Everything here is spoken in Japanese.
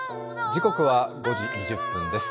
時刻は５時２０分です。